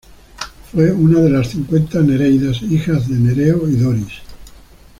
Fue una de las cincuenta nereidas, hijas de Nereo y Doris.